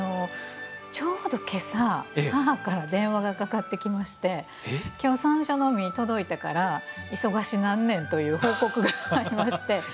ちょうど、けさ母から電話がかかってきましてきょう、山椒の実届いたから忙しなんねんという報告がきまして。